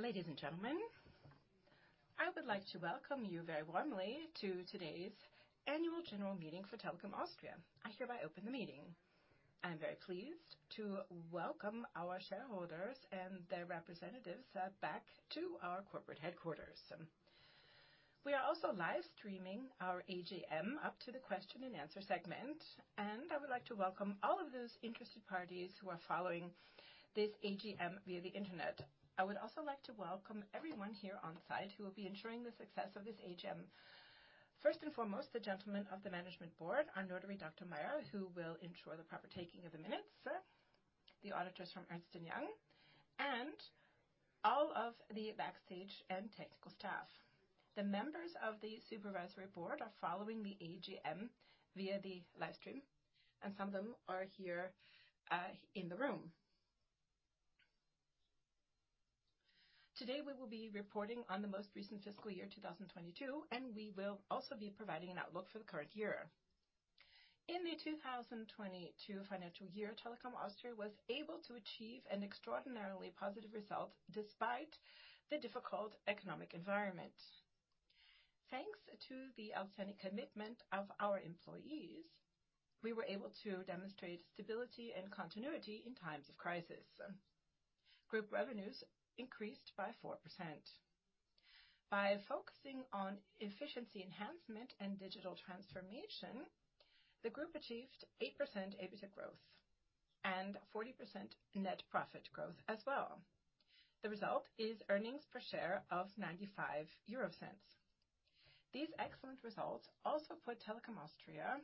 Ladies and gentlemen, I would like to welcome you very warmly to today's annual general meeting for Telekom Austria. I hereby open the meeting. I'm very pleased to welcome our shareholders and their representatives back to our corporate headquarters. We are also live streaming our AGM up to the question and answer segment. I would like to welcome all of those interested parties who are following this AGM via the Internet. I would also like to welcome everyone here on site who will be ensuring the success of this AGM. First and foremost, the gentlemen of the management board, our notary, Dr. Meyer, who will ensure the proper taking of the minutes, the auditors from Ernst & Young, and all of the backstage and technical staff. The members of the supervisory board are following the AGM via the live stream, and some of them are here in the room. Today, we will be reporting on the most recent fiscal year, 2022, and we will also be providing an outlook for the current year. In the 2022 financial year, Telekom Austria was able to achieve an extraordinarily positive result despite the difficult economic environment. Thanks to the authentic commitment of our employees, we were able to demonstrate stability and continuity in times of crisis. Group revenues increased by 4%. By focusing on efficiency enhancement and digital transformation, the group achieved 8% EBITDA growth and 40% net profit growth as well. The result is earnings per share of 0.95. These excellent results also put Telekom Austria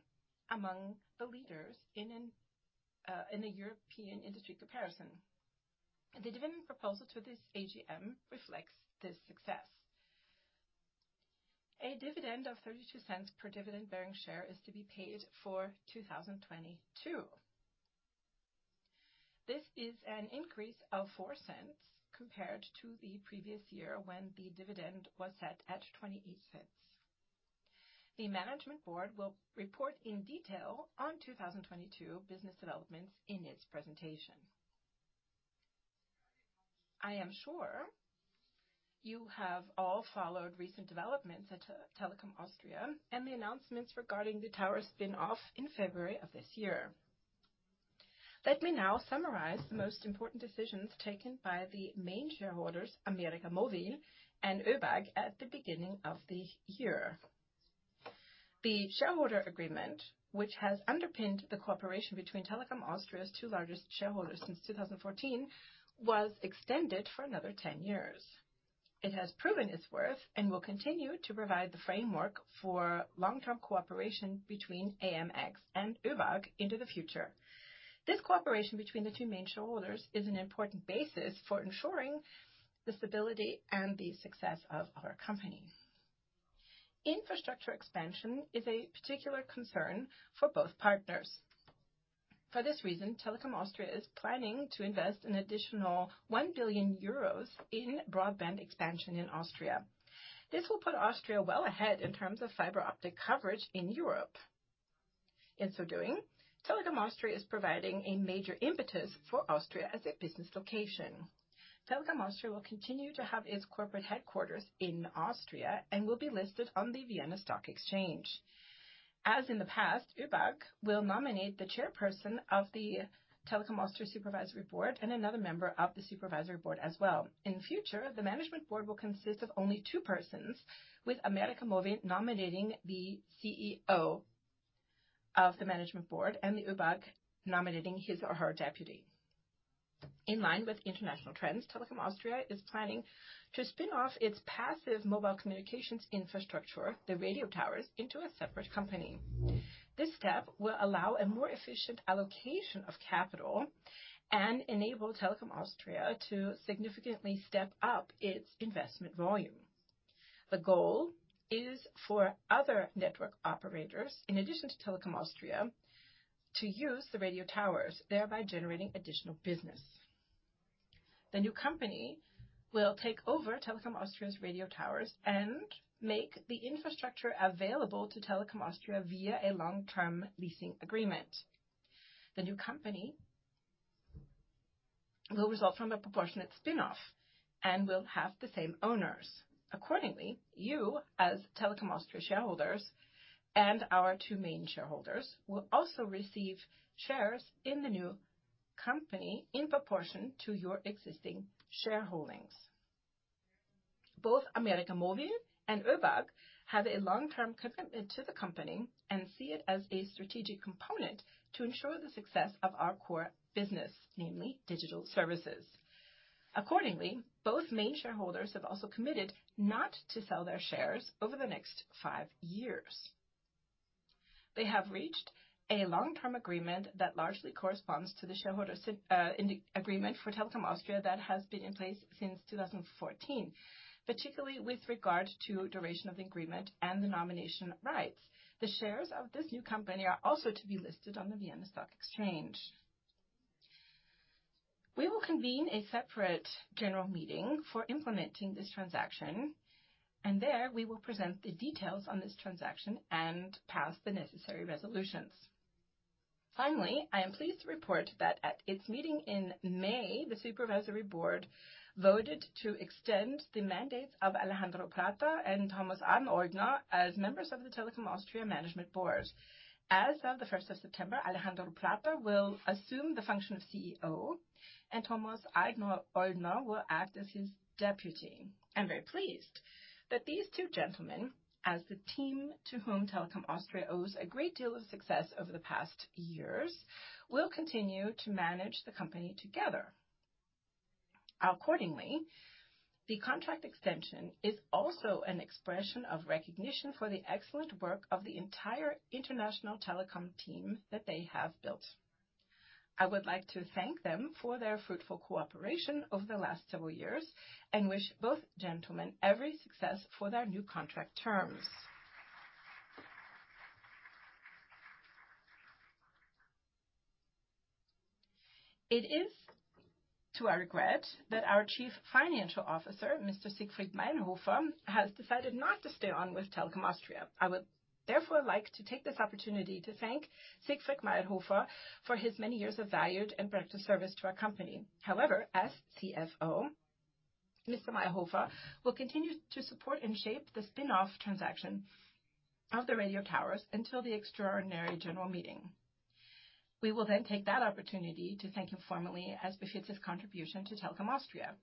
among the leaders in a European industry comparison. The dividend proposal to this AGM reflects this success. A dividend of 0.32 per dividend-bearing share is to be paid for 2022. This is an increase of 0.04 compared to the previous year, when the dividend was set at 0.28. The management board will report in detail on 2022 business developments in its presentation. I am sure you have all followed recent developments at Telekom Austria and the announcements regarding the tower spin-off in February of this year. Let me now summarize the most important decisions taken by the main shareholders, América Móvil and ÖBAG, at the beginning of the year. The shareholder agreement, which has underpinned the cooperation between Telekom Austria's two largest shareholders since 2014, was extended for another 10 years. It has proven its worth and will continue to provide the framework for long-term cooperation between AMX and ÖBAG into the future. This cooperation between the two main shareholders is an important basis for ensuring the stability and the success of our company. Infrastructure expansion is a particular concern for both partners. For this reason, Telekom Austria is planning to invest an additional 1 billion euros in broadband expansion in Austria. This will put Austria well ahead in terms of fiber optic coverage in Europe. In so doing, Telekom Austria is providing a major impetus for Austria as a business location. Telekom Austria will continue to have its corporate headquarters in Austria and will be listed on the Vienna Stock Exchange. As in the past, ÖBAG will nominate the chairperson of the Telekom Austria Supervisory Board and another member of the supervisory board as well. In future, the management board will consist of only two persons, with América Móvil nominating the CEO of the management board and the ÖBAG nominating his or her deputy. In line with international trends, Telekom Austria is planning to spin off its passive mobile communications infrastructure, the radio towers, into a separate company. This step will allow a more efficient allocation of capital and enable Telekom Austria to significantly step up its investment volume. The goal is for other network operators, in addition to Telekom Austria, to use the radio towers, thereby generating additional business. The new company will take over Telekom Austria's radio towers and make the infrastructure available to Telekom Austria via a long-term leasing agreement. The new company will result from a proportionate spin-off and will have the same owners. Accordingly, you, as Telekom Austria shareholders and our two main shareholders, will also receive shares in the new company in proportion to your existing shareholdings. Both América Móvil and ÖBAG have a long-term commitment to the company and see it as a strategic component to ensure the success of our core business, namely digital services. Accordingly, both main shareholders have also committed not to sell their shares over the next five years. They have reached a long-term agreement that largely corresponds to the shareholder sin in the agreement for Telekom Austria that has been in place since 2014, particularly with regard to duration of the agreement and the nomination rights. The shares of this new company are also to be listed on the Vienna Stock Exchange. We will convene a separate general meeting for implementing this transaction, and there we will present the details on this transaction and pass the necessary resolutions. Finally, I am pleased to report that at its meeting in May, the Supervisory Board voted to extend the mandates of Alejandro Plater and Thomas Arnoldner as members of the Telekom Austria Management Board. As of the first of September, Alejandro Plater will assume the function of CEO, and Thomas Arnoldner will act as his deputy. I'm very pleased that these two gentlemen, as the team to whom Telekom Austria owes a great deal of success over the past years, will continue to manage the company together. Accordingly, the contract extension is also an expression of recognition for the excellent work of the entire international Telekom team that they have built. I would like to thank them for their fruitful cooperation over the last several years and wish both gentlemen every success for their new contract terms. It is to our regret that our Chief Financial Officer, Mr. Siegfried Mayrhofer, has decided not to stay on with Telekom Austria. I would therefore like to take this opportunity to thank Siegfried Mayrhofer for his many years of valued and practiced service to our company. As CFO, Mr. Mayrhofer will continue to support and shape the spin-off transaction of the radio towers until the extraordinary general meeting. We will take that opportunity to thank him formally as befits his contribution to Telekom Austria.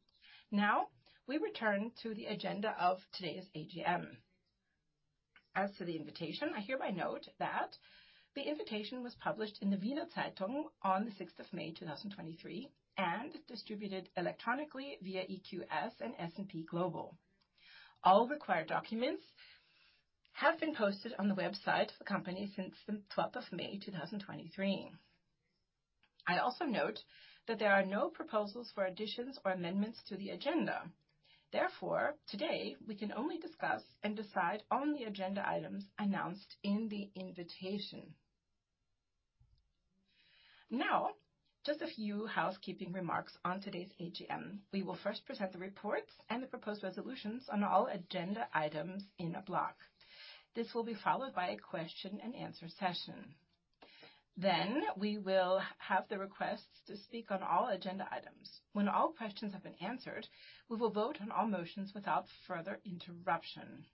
We return to the agenda of today's AGM. As for the invitation, I hereby note that the invitation was published in the Wiener Zeitung on the 6th of May, 2023, and distributed electronically via EQS and S&P Global. All required documents have been posted on the website of the company since the May 12th, 2023. I also note that there are no proposals for additions or amendments to the agenda. Today, we can only discuss and decide on the agenda items announced in the invitation. Just a few housekeeping remarks on today's AGM. We will first present the reports and the proposed resolutions on all agenda items in a block. This will be followed by a question-and-answer session. We will have the requests to speak on all agenda items. When all questions have been answered, we will vote on all motions without further interruption.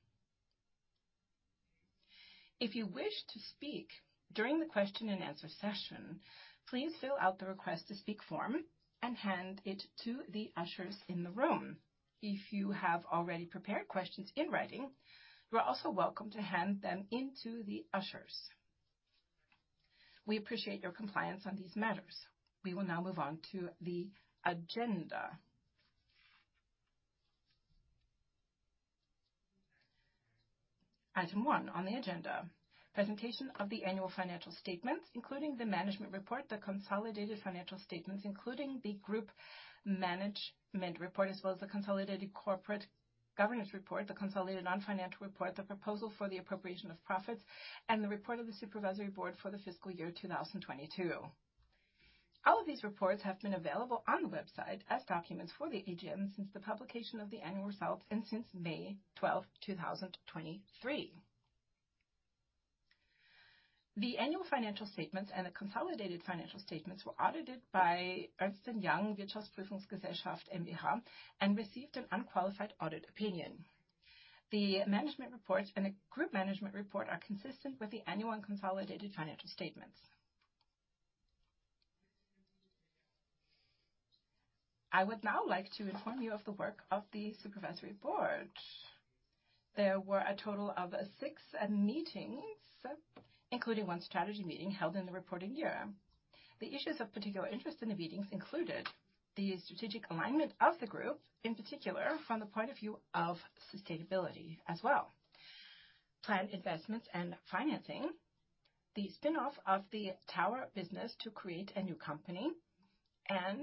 If you wish to speak during the question-and-answer session, please fill out the Request to Speak form and hand it to the ushers in the room. If you have already prepared questions in writing, you are also welcome to hand them into the ushers. We appreciate your compliance on these matters. We will now move on to the agenda. Item one on the agenda, presentation of the annual financial statements, including the management report, the consolidated financial statements, including the group management report, as well as the consolidated corporate governance report, the consolidated non-financial report, the proposal for the appropriation of profits, and the report of the Supervisory Board for the fiscal year 2022. All of these reports have been available on the website as documents for the AGM since the publication of the annual results and since May 12, 2023. The annual financial statements and the consolidated financial statements were audited by Ernst & Young Wirtschaftsprüfungsgesellschaft m.b.H. and received an unqualified audit opinion. The management report and the group management report are consistent with the annual and consolidated financial statements. I would now like to inform you of the work of the Supervisory Board. There were a total of six meetings, including one strategy meeting held in the reporting year. The issues of particular interest in the meetings included the strategic alignment of the group, in particular, from the point of view of sustainability as well, planned investments and financing, the spin-off of the tower business to create a new company, and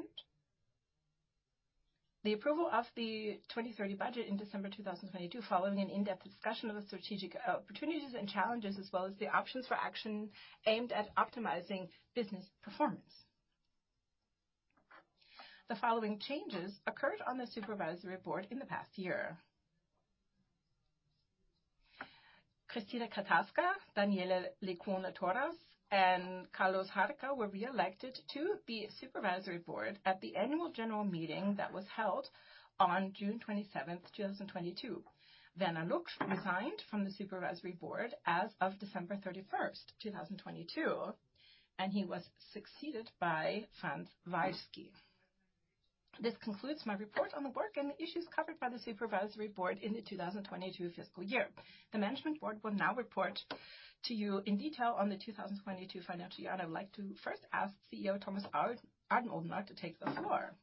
the approval of the 2030 budget in December 2022, following an in-depth discussion of the strategic opportunities and challenges, as well as the options for action aimed at optimizing business performance. The following changes occurred on the Supervisory Board in the past year. Christine Catasta, Daniela Lecuona Torras, and Carlos Jarque were reelected to the Supervisory Board at the annual general meeting that was held on June 27th, 2022. Werner Luksch resigned from the Supervisory Board as of December 31st, 2022, and he was succeeded by Franz Valsky. This concludes my report on the work and the issues covered by the Supervisory Board in the 2022 fiscal year. The Management Board will now report to you in detail on the 2022 financial year. I'd like to first ask CEO Thomas Arnoldner to take the floor.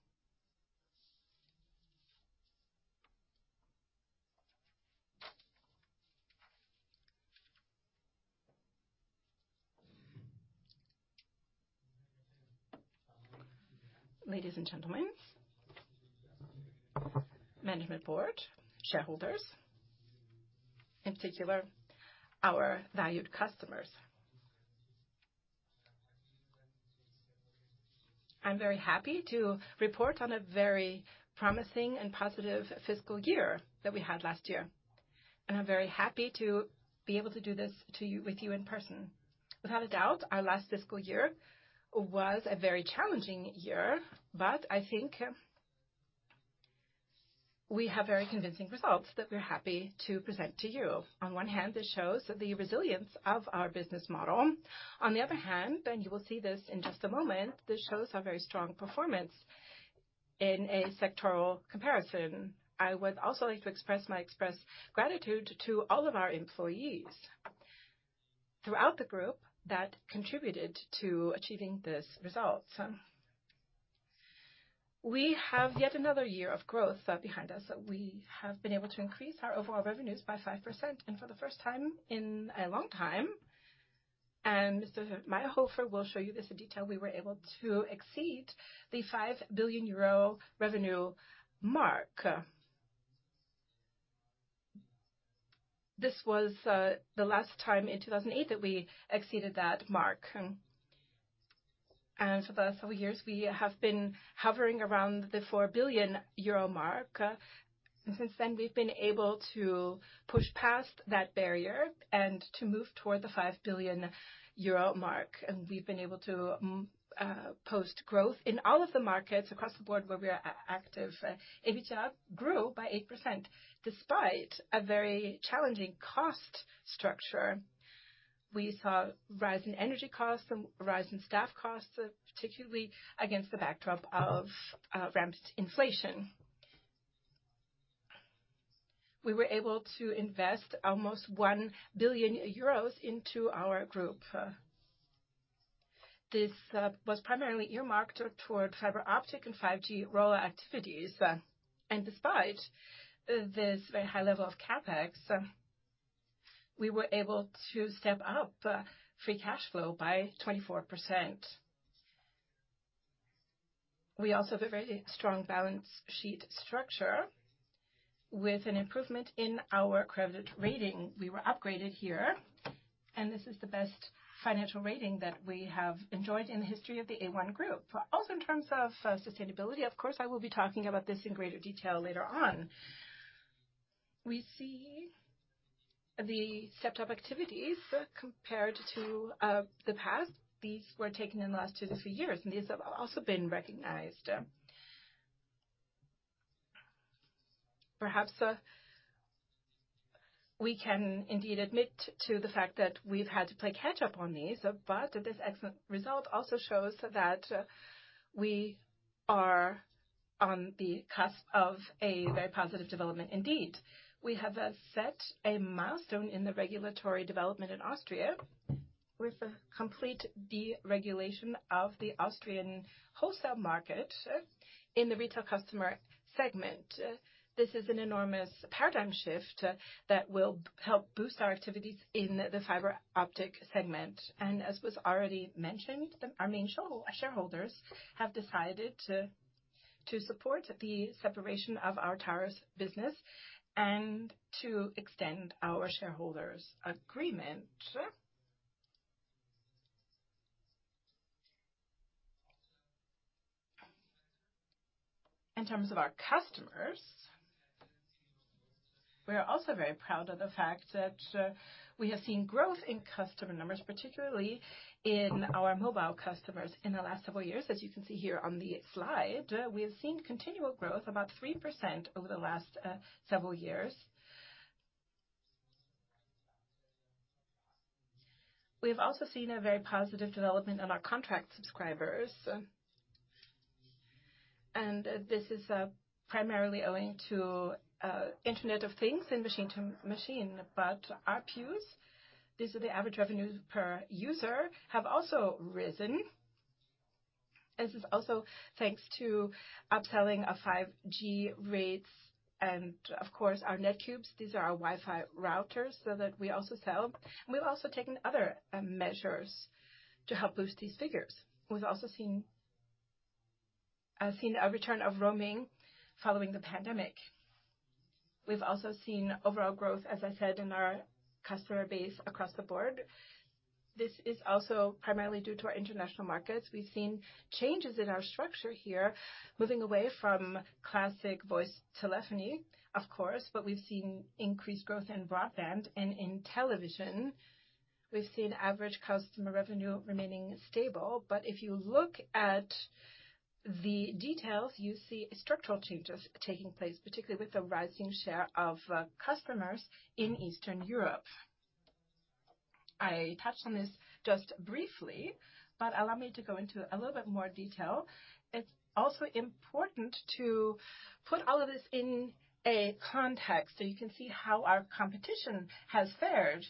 Ladies and gentlemen, Management Board, shareholders, in particular, our valued customers. I'm very happy to report on a very promising and positive fiscal year that we had last year. I'm very happy to be able to do this to you, with you in person. Without a doubt, our last fiscal year was a very challenging year. I think we have very convincing results that we're happy to present to you. On one hand, this shows the resilience of our business model. On the other hand, you will see this in just a moment, this shows a very strong performance in a sectoral comparison. I would also like to express my express gratitude to all of our employees throughout the group that contributed to achieving these results. We have yet another year of growth, behind us. We have been able to increase our overall revenues by 5%. For the first time in a long time, Mr. Mayrhofer will show you this in detail, we were able to exceed the 5 billion euro revenue mark. This was the last time in 2008 that we exceeded that mark. For the last several years, we have been hovering around the 4 billion euro mark. Since then, we've been able to push past that barrier and to move toward the 5 billion euro mark. We've been able to post growth in all of the markets across the board where we are active. EBITDA grew by 8% despite a very challenging cost structure. We saw a rise in energy costs and a rise in staff costs, particularly against the backdrop of ramped inflation. We were able to invest almost 1 billion euros into our group. This was primarily earmarked toward fiber optic and 5G rollout activities. Despite this very high level of CapEx, we were able to step up free cash flow by 24%. We also have a very strong balance sheet structure with an improvement in our credit rating. We were upgraded here, and this is the best financial rating that we have enjoyed in the history of the A1 Group. In terms of sustainability, of course, I will be talking about this in greater detail later on. We see the stepped-up activities compared to the past. These were taken in the last two to three years, and these have also been recognized. Perhaps, we can indeed admit to the fact that we've had to play catch-up on these, but this excellent result also shows that we are on the cusp of a very positive development indeed. We have set a milestone in the regulatory development in Austria with a complete deregulation of the Austrian wholesale market in the retail customer segment. This is an enormous paradigm shift that will help boost our activities in the fiber optic segment. As was already mentioned, our main shareholders have decided to support the separation of our towers business and to extend our shareholders' agreement. In terms of our customers, we are also very proud of the fact that we have seen growth in customer numbers, particularly in our mobile customers. In the last several years, as you can see here on the slide, we have seen continual growth, about 3% over the last several years. We have also seen a very positive development in our contract subscribers, and this is primarily owing to Internet of Things and machine-to-machine. ARPUs, these are the average revenues per user, have also risen. This is also thanks to upselling of 5G rates and, of course, our Net Cubes. These are our Wi-Fi routers, so that we also sell. We've also taken other measures to help boost these figures. We've also seen a return of roaming following the pandemic. We've also seen overall growth, as I said, in our customer base across the board. This is also primarily due to our international markets. We've seen changes in our structure here, moving away from classic voice telephony, of course, but we've seen increased growth in broadband and in television. We've seen average customer revenue remaining stable, but if you look at the details, you see structural changes taking place, particularly with the rising share of customers in Eastern Europe. I touched on this just briefly, but allow me to go into a little bit more detail. It's also important to put all of this in a context, so you can see how our competition has fared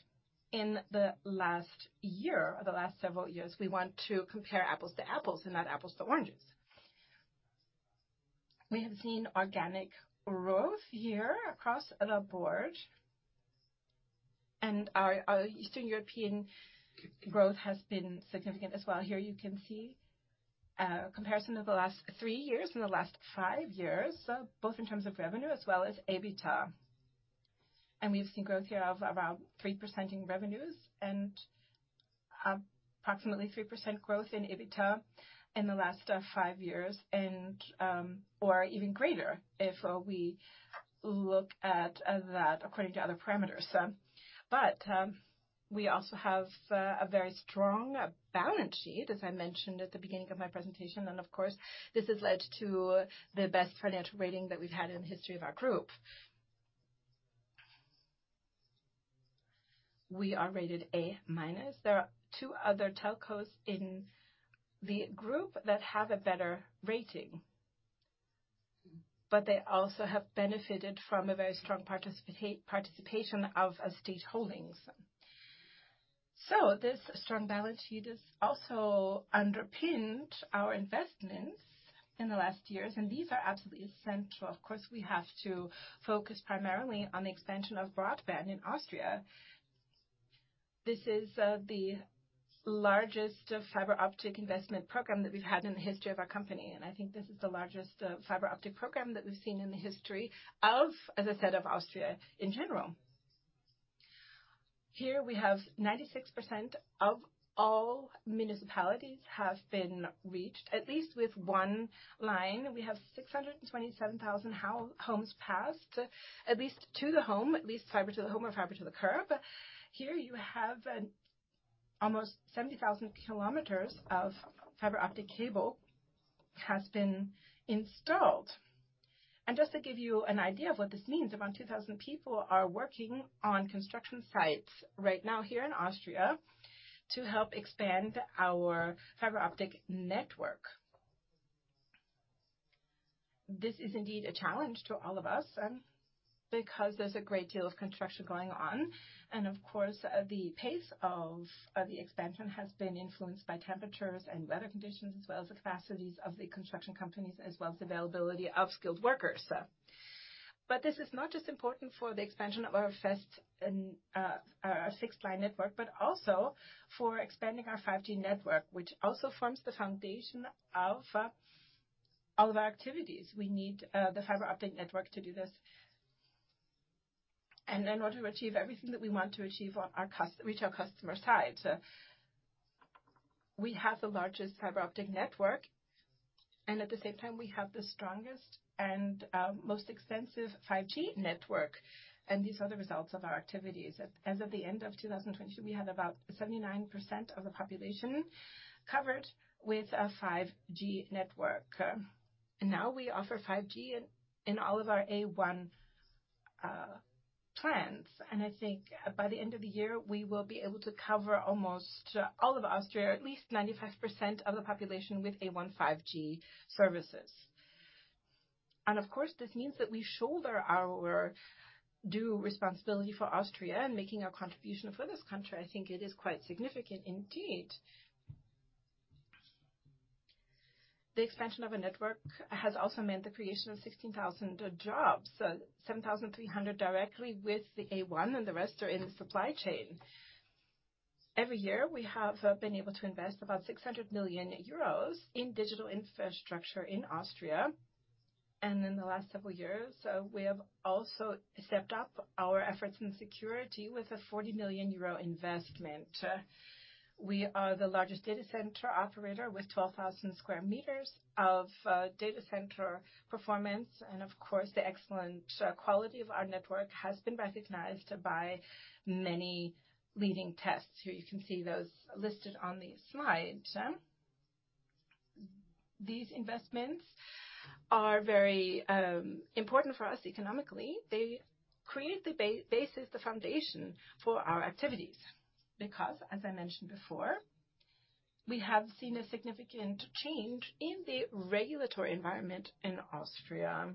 in the last year or the last several years. We want to compare apples to apples and not apples to oranges. We have seen organic growth here across the board, and our Eastern European growth has been significant as well. Here you can see a comparison of the last three years and the last five years, both in terms of revenue as well as EBITDA. We've seen growth here of around 3% in revenues and approximately 3% growth in EBITDA in the last five years, or even greater if we look at that according to other parameters. We also have a very strong balance sheet, as I mentioned at the beginning of my presentation, and of course, this has led to the best financial rating that we've had in the history of our group. We are rated A-. There are two other telcos in the group that have a better rating, but they also have benefited from a very strong participation of estate holdings. This strong balance sheet has also underpinned our investments in the last years, and these are absolutely essential. Of course, we have to focus primarily on the expansion of broadband in Austria. This is the largest fiber optic investment program that we've had in the history of our company, and I think this is the largest fiber optic program that we've seen in the history of, as I said, of Austria in general. Here, we have 96% of all municipalities have been reached, at least with one line. We have 627,000 homes passed, at least to the home, at least fiber to the home or fiber to the curb. Here you have an almost 70,000 kilometers of fiber optic cable has been installed. Just to give you an idea of what this means, around 2,000 people are working on construction sites right now here in Austria to help expand our fiber optic network. This is indeed a challenge to all of us, because there's a great deal of construction going on, and of course, the pace of the expansion has been influenced by temperatures and weather conditions, as well as the capacities of the construction companies, as well as availability of skilled workers. This is not just important for the expansion of our fixed and our six-ply network, but also for expanding our 5G network, which also forms the foundation of all of our activities. We need the fiber optic network to do this. In order to achieve everything that we want to achieve on our retail customer side. We have the largest fiber optic network, at the same time, we have the strongest and most extensive 5G network, these are the results of our activities. As of the end of 2022, we had about 79% of the population covered with a 5G network. Now we offer 5G in all of our A1 plans, I think by the end of the year, we will be able to cover almost all of Austria, at least 95% of the population, with A1 5G services. Of course, this means that we shoulder our due responsibility for Austria and making our contribution for this country. I think it is quite significant indeed. The expansion of a network has also meant the creation of 16,000 jobs, 7,300 directly with the A1, and the rest are in the supply chain. Every year, we have been able to invest about 600 million euros in digital infrastructure in Austria, and in the last several years, we have also stepped up our efforts in security with a 40 million euro investment. We are the largest data center operator with 12,000 m² of data center performance, and of course, the excellent quality of our network has been recognized by many leading tests. Here you can see those listed on the slide. These investments are very important for us economically. They create the basis, the foundation for our activities, because as I mentioned before, we have seen a significant change in the regulatory environment in Austria.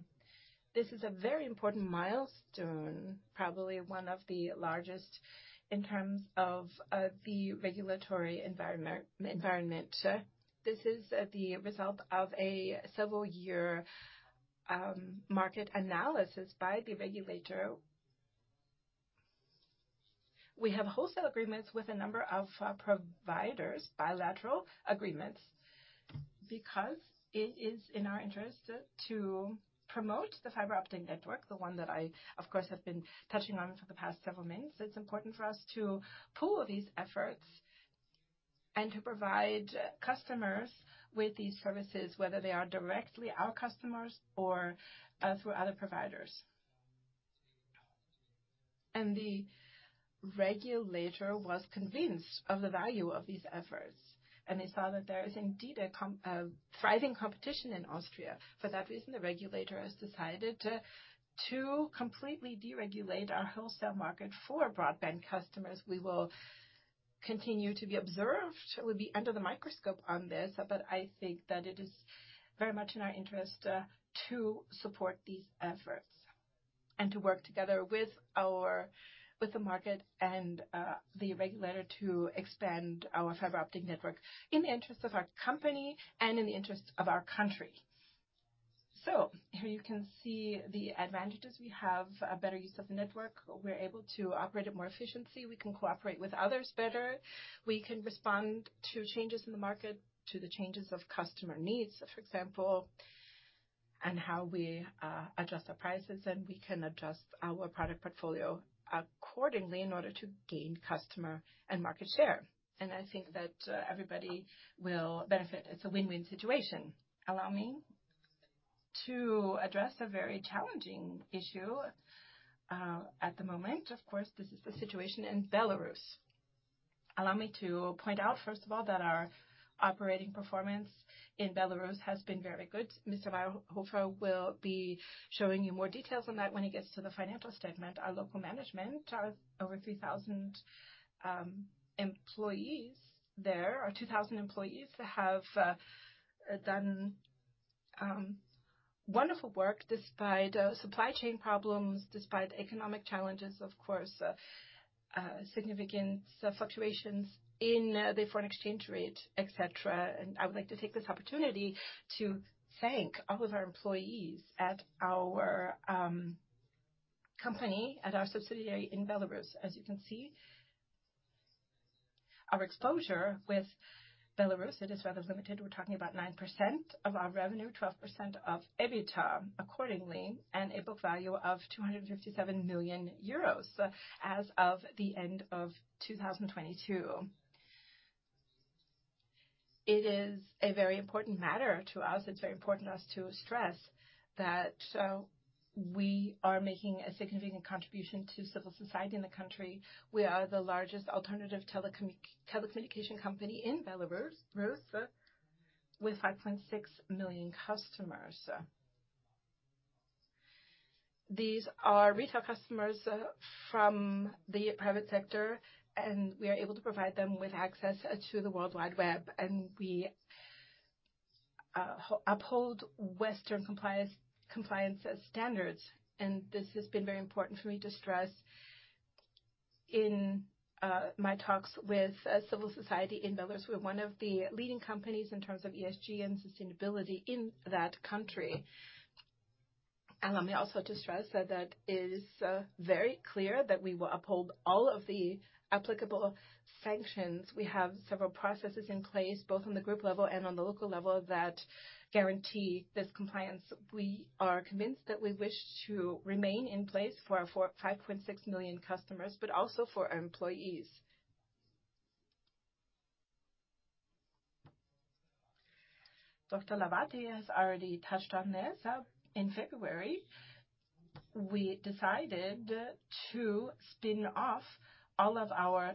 This is a very important milestone, probably one of the largest in terms of the regulatory environment. This is the result of a several year market analysis by the regulator. We have wholesale agreements with a number of providers, bilateral agreements, because it is in our interest to promote the fiber optic network, the one that I, of course, have been touching on for the past several minutes. It's important for us to pool these efforts and to provide customers with these services, whether they are directly our customers or through other providers. The regulator was convinced of the value of these efforts, and they saw that there is indeed a thriving competition in Austria. The regulator has decided to completely deregulate our wholesale market for broadband customers. We will continue to be observed, we'll be under the microscope on this, but I think that it is very much in our interest to support these efforts and to work together with the market and the regulator to expand our fiber optic network in the interests of our company and in the interests of our country. Here you can see the advantages. We have a better use of the network. We're able to operate it more efficiently. We can cooperate with others better. We can respond to changes in the market, to the changes of customer needs, for example. how we adjust our prices, we can adjust our product portfolio accordingly in order to gain customer and market share. I think that everybody will benefit. It's a win-win situation. Allow me to address a very challenging issue at the moment. Of course, this is the situation in Belarus. Allow me to point out, first of all, that our operating performance in Belarus has been very good. Mr. Mayrhofer will be showing you more details on that when he gets to the financial statement. Our local management, our over 3,000 employees there, our 2,000 employees have done wonderful work despite supply chain problems, despite economic challenges, of course, significant fluctuations in the foreign exchange rate, et cetera. I would like to take this opportunity to thank all of our employees at our company, at our subsidiary in Belarus. As you can see, our exposure with Belarus, it is rather limited. We're talking about 9% of our revenue, 12% of EBITDA accordingly, and a book value of 257 million euros as of the end of 2022. It is a very important matter to us. It's very important us to stress that we are making a significant contribution to civil society in the country. We are the largest alternative telecommunication company in Belarus, with 5.6 million customers. These are retail customers from the private sector, and we are able to provide them with access to the World Wide Web, and we uphold Western compliance standards. This has been very important for me to stress in my talks with civil society in Belarus. We're one of the leading companies in terms of ESG and sustainability in that country. Allow me also to stress that that is very clear that we will uphold all of the applicable sanctions. We have several processes in place, both on the group level and on the local level, that guarantee this compliance. We are convinced that we wish to remain in place for our 5.6 million customers, but also for our employees. Dr. Hlawati has already touched on this. In February, we decided to spin off all of our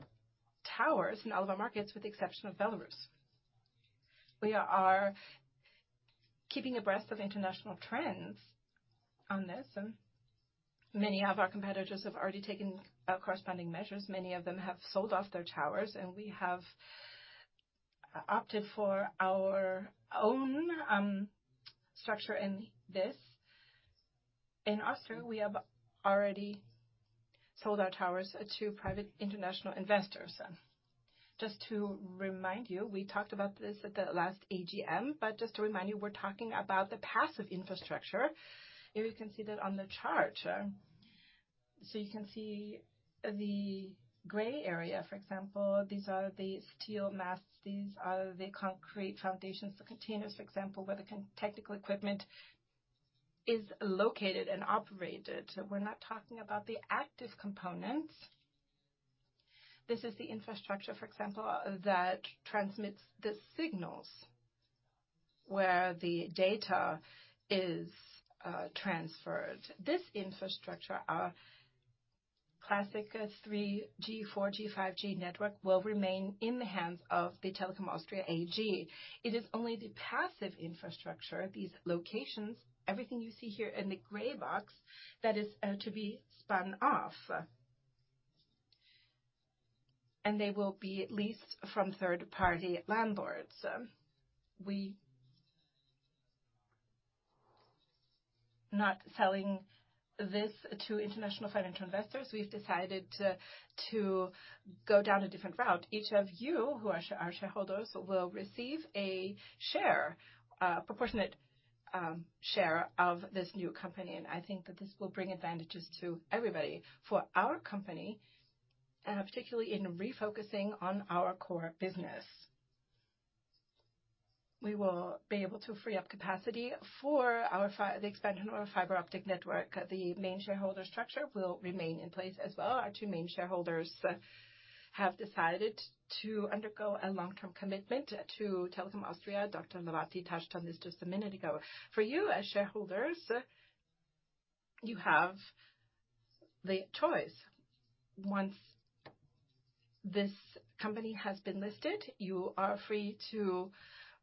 towers in all of our markets, with the exception of Belarus. We are keeping abreast of international trends on this, and many of our competitors have already taken corresponding measures. Many of them have sold off their towers. We have opted for our own structure in this. In Austria, we have already sold our towers to private international investors. Just to remind you, we talked about this at the last AGM. Just to remind you, we're talking about the passive infrastructure. Here you can see that on the chart. You can see the gray area, for example. These are the steel masts. These are the concrete foundations, the containers, for example, where the technical equipment is located and operated. We're not talking about the active components. This is the infrastructure, for example, that transmits the signals where the data is transferred. This infrastructure, our classic 3G, 4G, 5G network, will remain in the hands of the Telekom Austria AG. It is only the passive infrastructure, these locations, everything you see here in the gray box, that is to be spun off. They will be leased from third-party landlords. We not selling this to international financial investors. We've decided to go down a different route. Each of you, who are shareholders, will receive a share, proportionate share of this new company, and I think that this will bring advantages to everybody. For our company, particularly in refocusing on our core business. We will be able to free up capacity for the expansion of our fiber optic network. The main shareholder structure will remain in place as well. Our two main shareholders have decided to undergo a long-term commitment to Telekom Austria. Dr. Hlawati touched on this just a minute ago. For you, as shareholders, you have the choice. Once this company has been listed, you are free to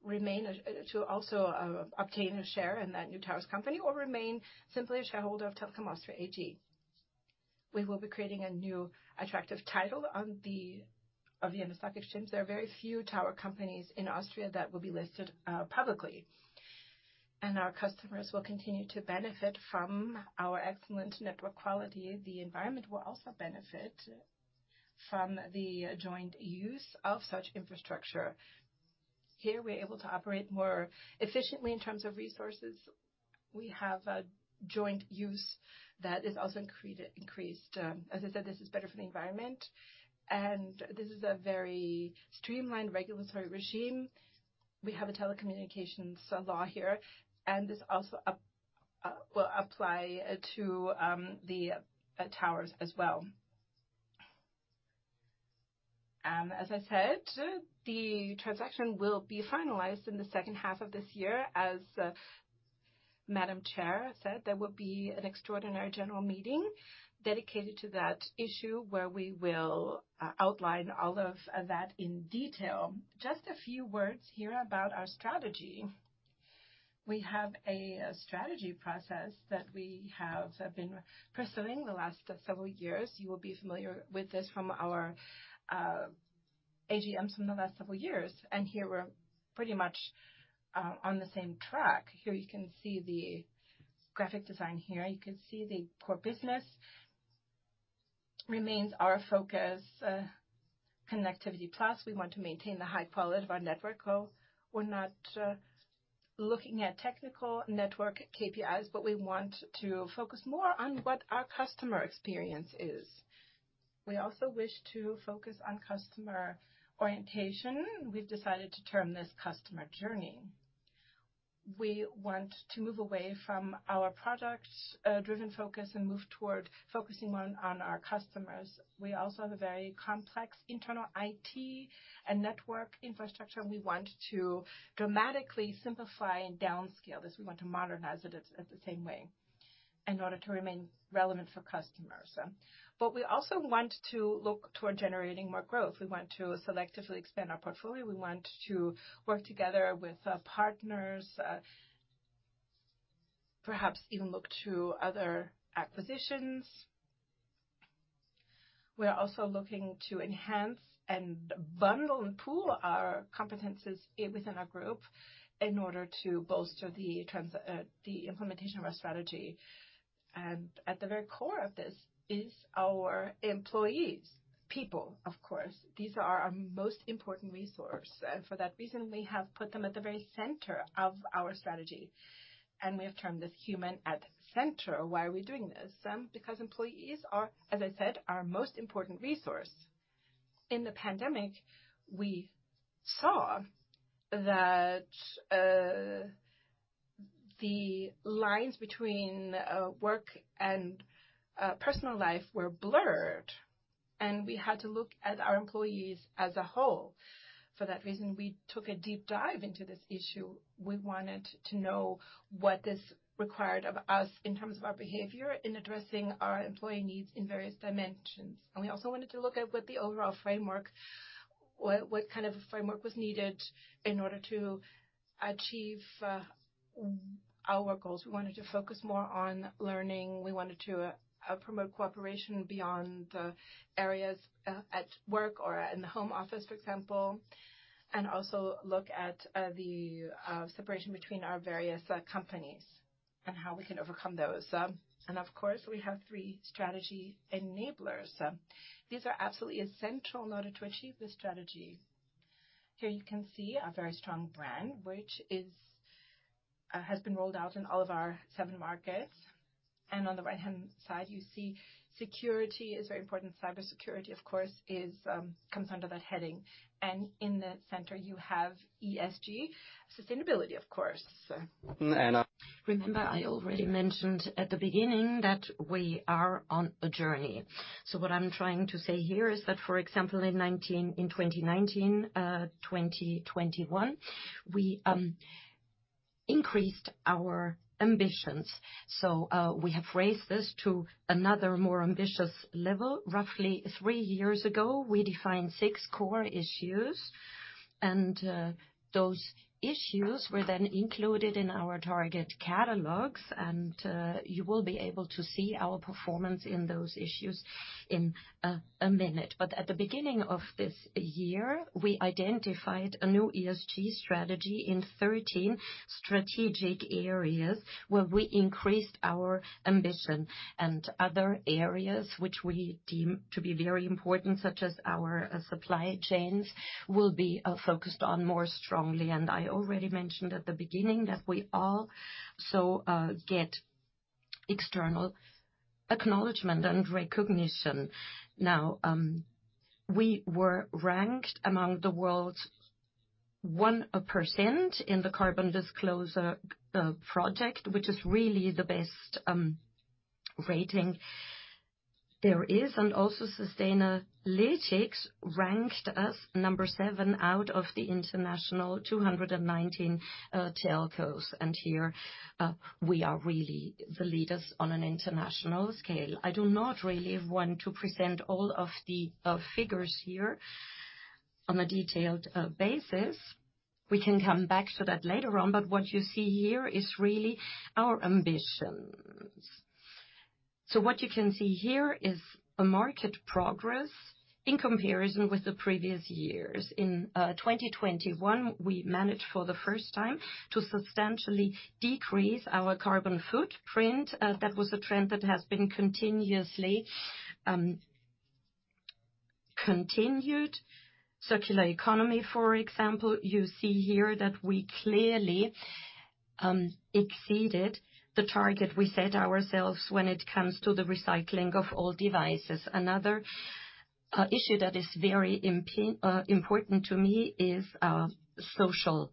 remain to also obtain a share in that new towers company or remain simply a shareholder of Telekom Austria AG. We will be creating a new attractive title on the Vienna Stock Exchange. There are very few tower companies in Austria that will be listed publicly. Our customers will continue to benefit from our excellent network quality. The environment will also benefit from the joint use of such infrastructure. Here, we're able to operate more efficiently in terms of resources. We have a joint use that is also increased. As I said, this is better for the environment, and this is a very streamlined regulatory regime. We have a telecommunications law here. This also will apply to the towers as well. As I said, the transaction will be finalized in the second half of this year. As Madam Chair said, there will be an extraordinary general meeting dedicated to that issue, where we will outline all of that in detail. Just a few words here about our strategy. We have a strategy process that we have been pursuing the last several years. You will be familiar with this from our AGMs from the last several years, here we're pretty much on the same track. Here you can see the graphic design here. You can see the core business remains our focus, Connectivity plus. We want to maintain the high quality of our network. We're not looking at technical network KPIs, but we want to focus more on what our customer experience is. We also wish to focus on customer orientation. We've decided to term this customer journey. We want to move away from our product driven focus and move toward focusing on our customers. We also have a very complex internal IT and network infrastructure. We want to dramatically simplify and downscale this. We want to modernize it at the same way, in order to remain relevant for customers. We also want to look toward generating more growth. We want to selectively expand our portfolio. We want to work together with partners, perhaps even look to other acquisitions. We are also looking to enhance and bundle and pool our competencies within our group in order to bolster the implementation of our strategy. At the very core of this is our employees, people, of course. These are our most important resource, and for that reason, we have put them at the very center of our strategy, and we have termed this human at center. Why are we doing this because employees are, as I said, our most important resource. In the pandemic, we saw that the lines between work and personal life were blurred, and we had to look at our employees as a whole. For that reason, we took a deep dive into this issue. We wanted to know what this required of us in terms of our behavior in addressing our employee needs in various dimensions. We also wanted to look at what the overall framework, what kind of a framework was needed in order to achieve our goals. We wanted to focus more on learning. We wanted to promote cooperation beyond the areas at work or in the home office, for example, and also look at the separation between our various companies and how we can overcome those. Of course, we have three strategy enablers. These are absolutely essential in order to achieve this strategy. Here you can see a very strong brand, which is has been rolled out in all of our seven markets. On the right-hand side, you see security is very important. Cybersecurity, of course, is comes under that heading. In the center, you have ESG sustainability, of course. Remember, I already mentioned at the beginning that we are on a journey. What I'm trying to say here is that, for example, in 2019, 2021, we increased our ambitions. We have raised this to another, more ambitious level. Roughly three years ago, we defined six core issues, those issues were then included in our target catalogs, you will be able to see our performance in those issues in a minute. At the beginning of this year, we identified a new ESG strategy in 13 strategic areas, where we increased our ambition. Other areas, which we deem to be very important, such as our supply chains, will be focused on more strongly. I already mentioned at the beginning that we also get external acknowledgment and recognition. Now, we were ranked among the world's 1% in the Carbon Disclosure Project, which is really the best rating there is. Also Sustainalytics ranked us number seven out of the international 219 telcos. Here, we are really the leaders on an international scale. I do not really want to present all of the figures here on a detailed basis. We can come back to that later on, but what you see here is really our ambitions. What you can see here is a market progress in comparison with the previous years. In 2021, we managed for the first time to substantially decrease our carbon footprint. That was a trend that has been continuously continued. Circular economy, for example, you see here that we. Exceeded the target we set ourselves when it comes to the recycling of all devices. Another issue that is very important to me is social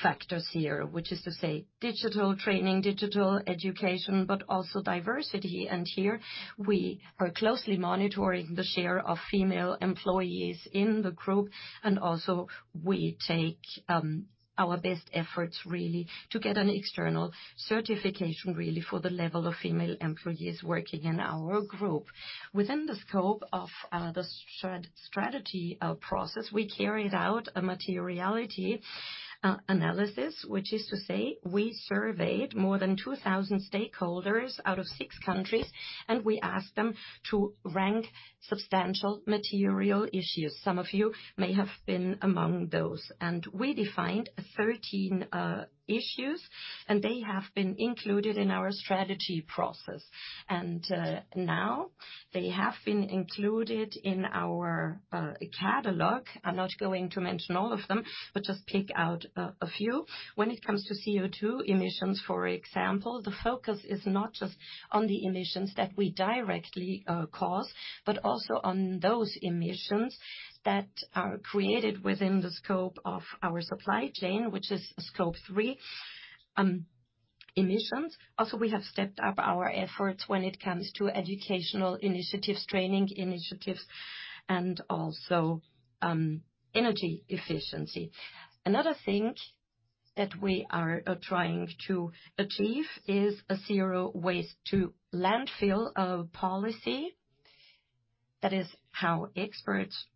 factors here, which is to say, digital training, digital education, also diversity. Here we are closely monitoring the share of female employees in the group, and also we take our best efforts really to get an external certification, really, for the level of female employees working in our group. Within the scope of the strategy process, we carried out a materiality analysis, which is to say we surveyed more than 2,000 stakeholders out of six countries, we asked them to rank substantial material issues. Some of you may have been among those. We defined 13 issues, and they have been included in our strategy process, and now they have been included in our catalog. I'm not going to mention all of them, but just pick out a few. When it comes to CO2 emissions, for example, the focus is not just on the emissions that we directly cause, but also on those emissions that are created within the scope of our supply chain, which is Scope three emissions. Also, we have stepped up our efforts when it comes to educational initiatives, training initiatives, and also energy efficiency. Another thing that we are trying to achieve is a zero waste to landfill policy. That is how experts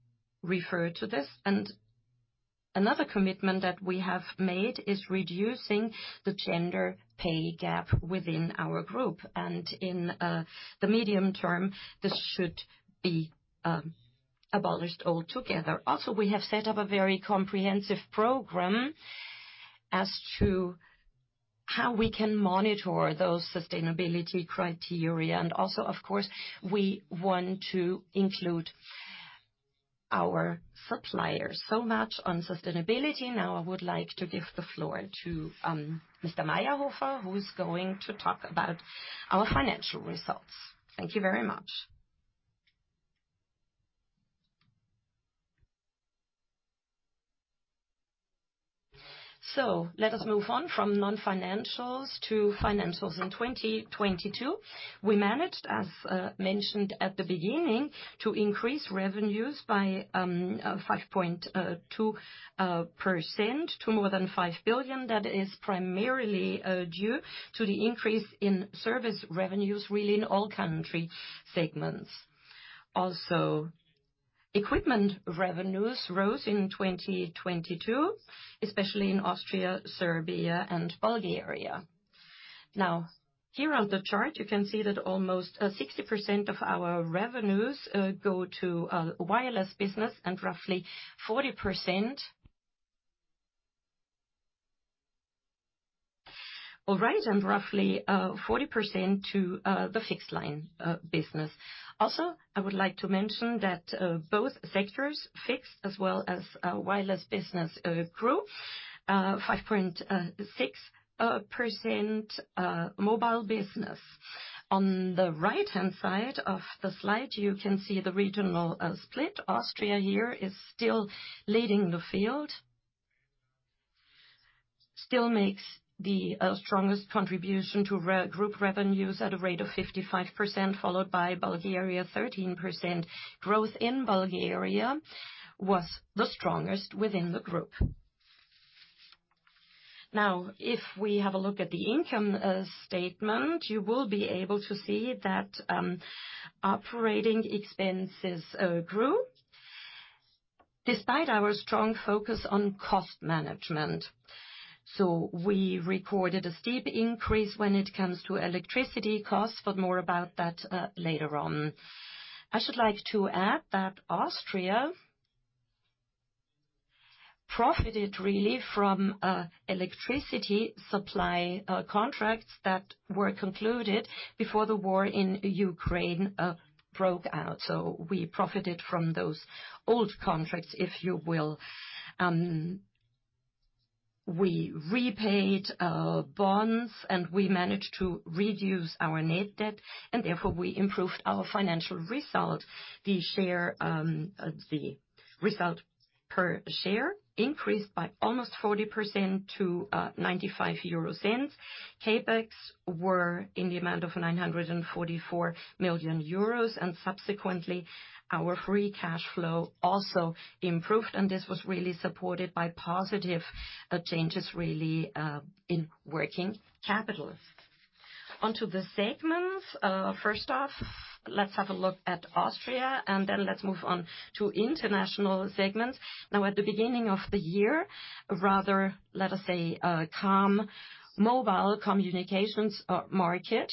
refer to this. Another commitment that we have made is reducing the gender pay gap within our group, and in the medium term, this should be abolished altogether. We have set up a very comprehensive program as to how we can monitor those sustainability criteria. Also, of course, we want to include our suppliers. Much on sustainability. I would like to give the floor to Mr. Mayrhofer, who is going to talk about our financial results. Thank you very much. Let us move on from nonfinancials to financials in 2022. We managed, as mentioned at the beginning, to increase revenues by 5.2%, to more than 5 billion. That is primarily due to the increase in service revenues, really, in all country segments. Equipment revenues rose in 2022, especially in Austria, Serbia and Bulgaria. Here on the chart, you can see that almost 60% of our revenues go to wireless business and roughly 40% to the fixed line business. I would like to mention that both sectors, fixed as well as wireless business, grew 5.6% mobile business. On the right-hand side of the slide, you can see the regional split. Austria here is still leading the field. Still makes the strongest contribution to group revenues at a rate of 55%, followed by Bulgaria, 13%. Growth in Bulgaria was the strongest within the group. If we have a look at the income statement, you will be able to see that operating expenses grew despite our strong focus on cost management. We recorded a steep increase when it comes to electricity costs, but more about that later on. I should like to add that Austria profited really from electricity supply contracts that were concluded before the war in Ukraine broke out, we profited from those old contracts, if you will. We repaid bonds, we managed to reduce our net debt, therefore, we improved our financial results. The share, the result per share increased by almost 40% to 0.95. CapEx were in the amount of 944 million euros. Subsequently, our free cash flow also improved. This was really supported by positive changes, really, in working capital. On to the segments. First off, let's have a look at Austria. Then let's move on to international segments. At the beginning of the year, a rather, let us say, calm mobile communications market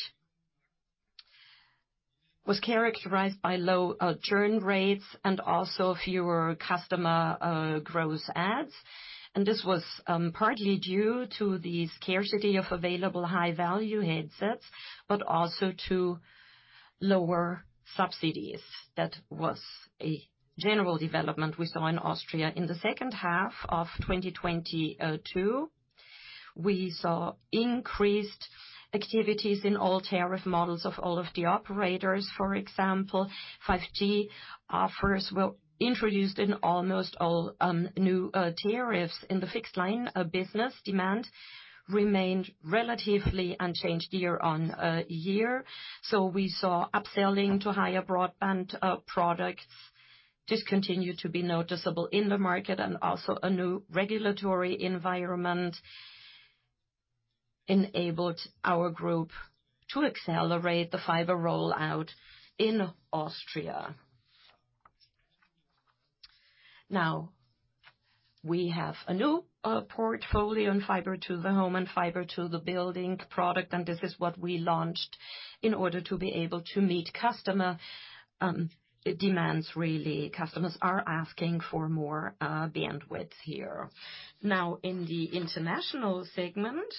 was characterized by low churn rates, also fewer customer gross adds. This was partly due to the scarcity of available high-value headsets, but also to lower subsidies. That was a general development we saw in Austria in the second half of 2022. We saw increased activities in all tariff models of all of the operators. For example, 5G offers were introduced in almost all new tariffs. In the fixed line business demand remained relatively unchanged year-over-year. We saw upselling to higher broadband products just continue to be noticeable in the market, and also a new regulatory environment enabled our group to accelerate the fiber rollout in Austria. We have a new portfolio in fiber to the home and fiber to the building product, and this is what we launched in order to be able to meet customer demands, really. Customers are asking for more bandwidth here. In the international segment,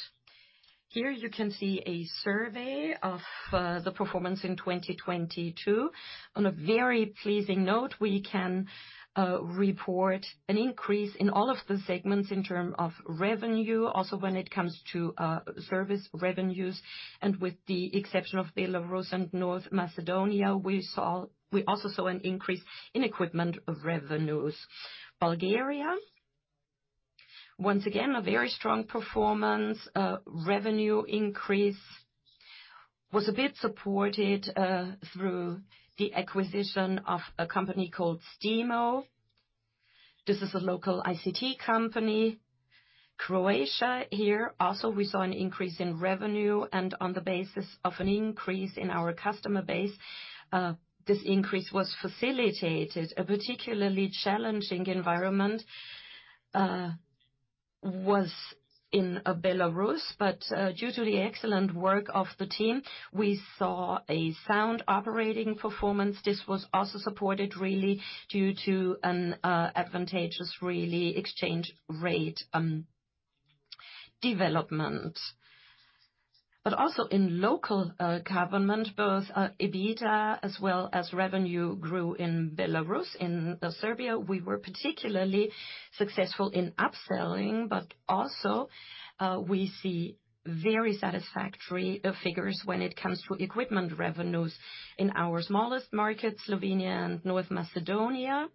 here you can see a survey of the performance in 2022. On a very pleasing note, we can report an increase in all of the segments in term of revenue, also when it comes to service revenues, and with the exception of Belarus and North Macedonia, we also saw an increase in equipment of revenues. Bulgaria, once again, a very strong performance. Revenue increase was a bit supported through the acquisition of a company called STEMO. This is a local ICT company. Croatia, here, also we saw an increase in revenue and on the basis of an increase in our customer base. This increase was facilitated. A particularly challenging environment was in Belarus, but due to the excellent work of the team, we saw a sound operating performance. This was also supported really due to an advantageous, really, exchange rate development. Also in local government, both EBITDA as well as revenue grew in Belarus. In Serbia, we were particularly successful in upselling, also we see very satisfactory figures when it comes to equipment revenues in our smallest markets, Slovenia and North Macedonia.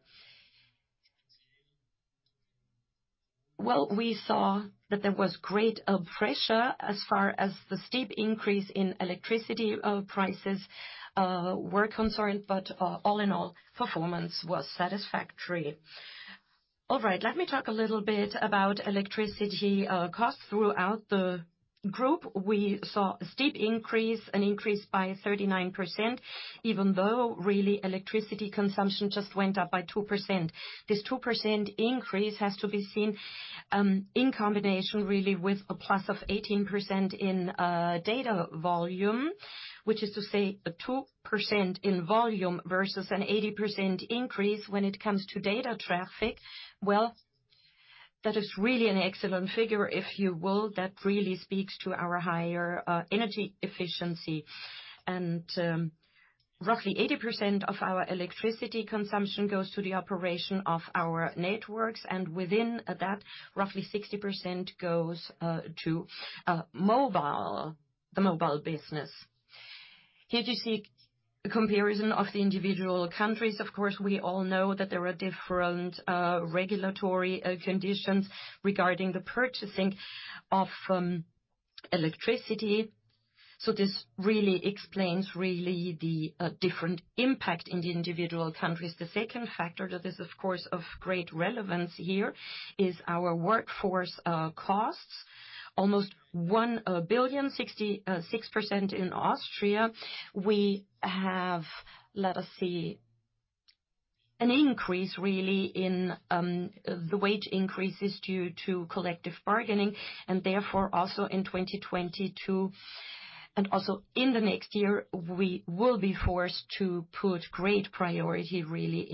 We saw that there was great pressure as far as the steep increase in electricity prices were concerned, but all in all, performance was satisfactory. Let me talk a little bit about electricity costs. Throughout the group, we saw a steep increase, an increase by 39%, even though really electricity consumption just went up by 2%. This 2% increase has to be seen in combination really with a plus of 18% in data volume, which is to say a 2% in volume versus an 80% increase when it comes to data traffic. That is really an excellent figure, if you will. That really speaks to our higher energy efficiency. Roughly 80% of our electricity consumption goes to the operation of our networks, and within that, roughly 60% goes to mobile, the mobile business. Here you see a comparison of the individual countries. Of course, we all know that there are different regulatory conditions regarding the purchasing of electricity, this really explains really the different impact in the individual countries. The second factor that is, of course, of great relevance here is our workforce costs. Almost 1 billion, 66% in Austria. We have an increase really in the wage increases due to collective bargaining, and therefore, also in 2022, and also in the next year, we will be forced to put great priority really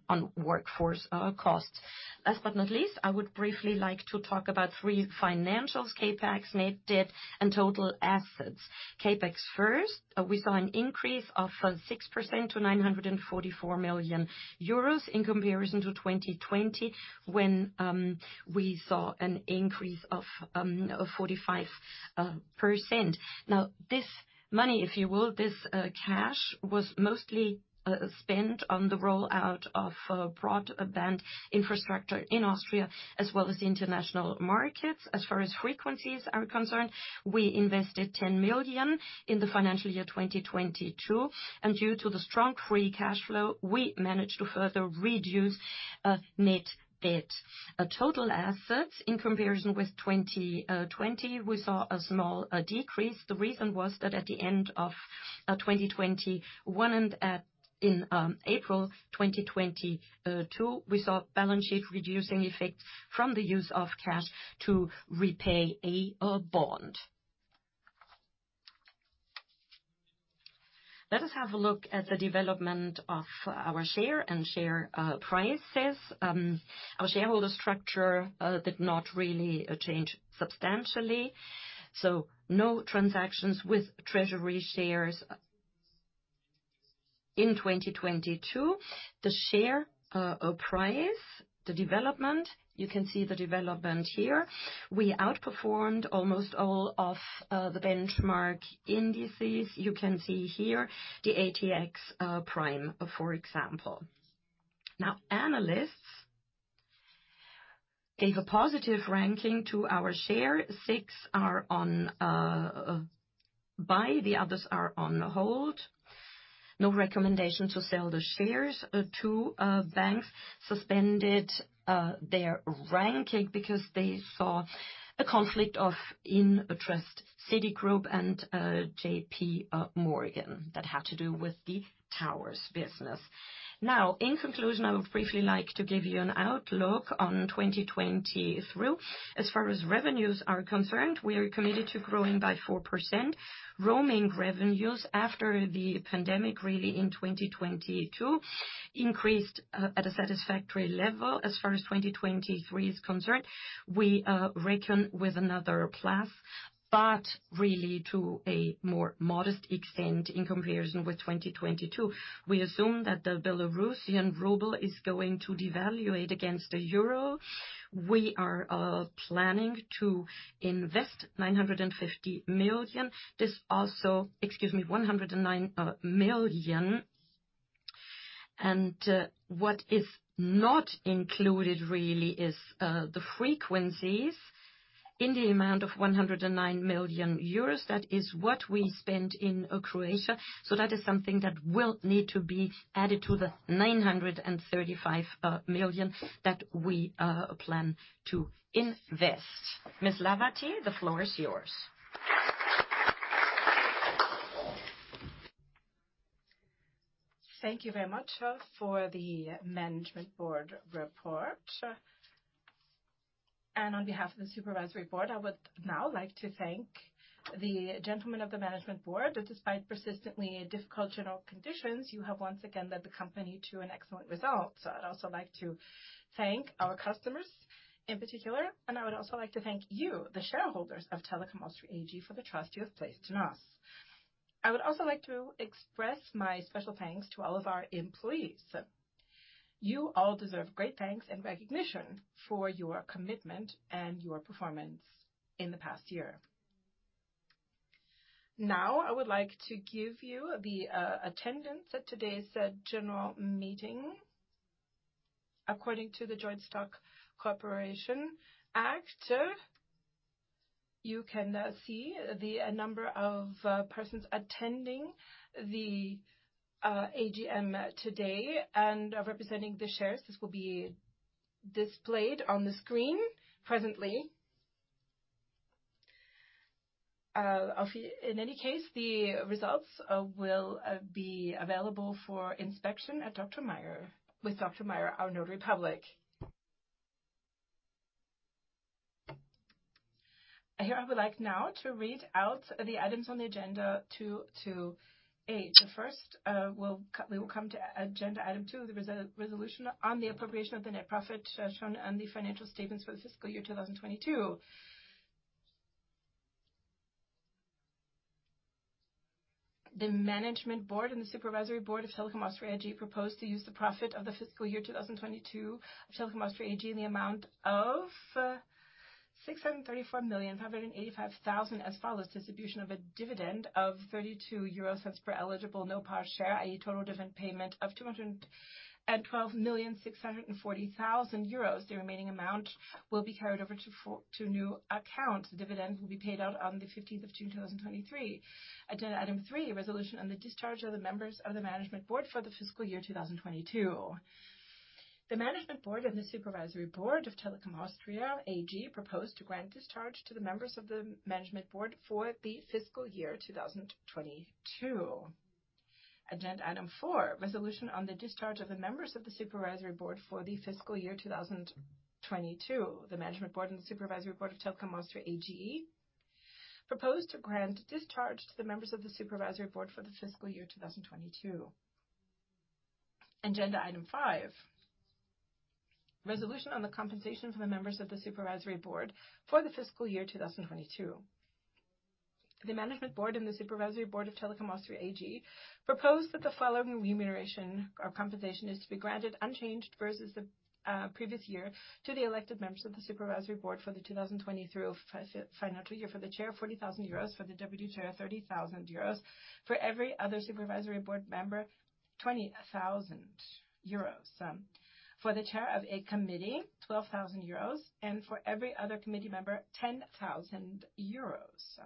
on workforce costs. Last but not least, I would briefly like to talk about three financials CapEx, net debt, and total assets. CapEx first, we saw an increase of 6% to 944 million euros in comparison to 2020, when we saw an increase of 45%. This money, this cash, was mostly spent on the rollout of broadband infrastructure in Austria, as well as the international markets. As far as frequencies are concerned, we invested 10 million in the financial year 2022. Due to the strong free cash flow, we managed to further reduce net debt. Total assets, in comparison with 2020, we saw a small decrease. The reason was that at the end of 2021 and in April 2022, we saw balance sheet reducing effects from the use of cash to repay a bond. Let us have a look at the development of our share prices. Our shareholder structure did not really change substantially. No transactions with treasury shares. In 2022, the share price development, you can see the development here. We outperformed almost all of the benchmark indices. You can see here the ATX PRIME, for example. Analysts gave a positive ranking to our share six are on buy, the others are on hold. No recommendation to sell the shares two banks suspended their ranking because they saw a conflict of interest, Citigroup and J.P. Morgan, that had to do with the Towers business. In conclusion, I would briefly like to give you an outlook on 2023. As far as revenues are concerned, we are committed to growing by 4%. Roaming revenues after the pandemic, really in 2022, increased at a satisfactory level. As far as 2023 is concerned, we reckon with another plus, but really to a more modest extent in comparison with 2022. We assume that the Belarusian ruble is going to devaluate against the euro. We are planning to invest 950 million. This also. Excuse me, 109 million. What is not included really is the frequencies in the amount of 109 million euros. That is what we spent in Croatia. That is something that will need to be added to the 935 million that we plan to invest. Ms. Hlawati, the floor is yours. Thank you very much for the management board report. On behalf of the Supervisory Board, I would now like to thank the gentlemen of the Management Board, that despite persistently difficult general conditions, you have once again led the company to an excellent result. I'd also like to thank our customers in particular, and I would also like to thank you, the shareholders of Telekom Austria AG, for the trust you have placed in us. I would also like to express my special thanks to all of our employees. You all deserve great thanks and recognition for your commitment and your performance in the past year. I would like to give you the attendance at today's General Meeting. According to the Stock Corporation Act, you can see the number of persons attending the AGM today and are representing the shares. This will be displayed on the screen presently. In any case, the results will be available for inspection at Dr. Meyer, with Dr. Meyer, our notary public. Here, I would like now to read out the items on the agenda two to eight. First, we will come to agenda item two, the resolution on the appropriation of the net profit shown on the financial statements for the fiscal year 2022. The management board and the supervisory board of Telekom Austria AG propose to use the profit of the fiscal year 2022 of Telekom Austria AG, in the amount of 634,585,000 as follows: distribution of a dividend of 0.32 per eligible no-par share, a total dividend payment of 212,640,000 euros. The remaining amount will be carried over to new accounts. The dividend will be paid out on the June 15th, 2023. Agenda item three resolution on the discharge of the members of the management board for the fiscal year 2022. The management board and the supervisory board of Telekom Austria AG propose to grant discharge to the members of the management board for the fiscal year 2022. Agenda item four resolution on the discharge of the members of the supervisory board for the fiscal year 2022. The management board and the supervisory board of Telekom Austria AG propose to grant discharge to the members of the supervisory board for the fiscal year 2022. Agenda item five resolution on the compensation for the members of the supervisory board for the fiscal year 2022. The management board and the supervisory board of Telekom Austria AG propose that the following remuneration or compensation is to be granted unchanged versus the previous year to the elected members of the supervisory board for the 2023 financial year. For the chair, 40,000 euros. For the deputy chair, 30,000 euros. For every other supervisory board member, 20,000 euros. For the chair of a committee, 12,000 euros, and for every other committee member, 10,000 euros.